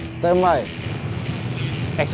satu dua tiga